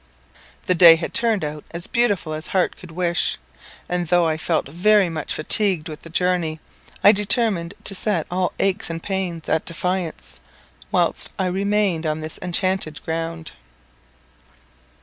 The day had turned out as beautiful as heart could wish; and though I felt very much fatigued with the journey, I determined to set all aches and pains at defiance whilst I remained on this enchanted ground.